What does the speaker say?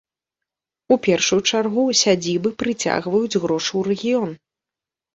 У першую чаргу, сядзібы прыцягваюць грошы ў рэгіён.